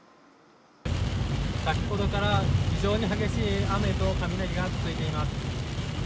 先ほどから非常に激しい雨と雷が続いています。